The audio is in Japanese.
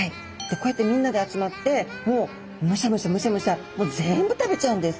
こうやってみんなで集まってもうむしゃむしゃむしゃむしゃ全部食べちゃうんです。